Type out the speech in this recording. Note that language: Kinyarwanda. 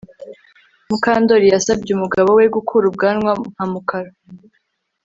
Mukandoli yasabye umugabo we gukura ubwanwa nka Mukara